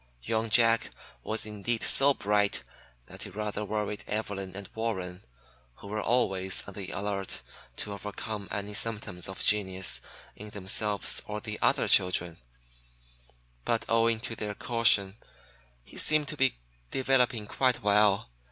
Young Jack was indeed so bright that it rather worried Evelyn and Warren, who were always on the alert to overcome any symptoms of genius in themselves or the other children; but owing to their caution, he seemed to be developing well.